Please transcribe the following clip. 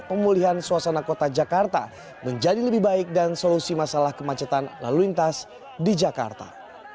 pemulihan suasana kota jakarta menjadi lebih baik dan solusi masalah kemacetan lalu lintas di jakarta